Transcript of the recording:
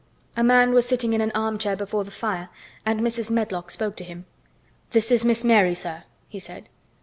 A man was sitting in an armchair before the fire, and Mrs. Medlock spoke to him. "This is Miss Mary, sir," she said.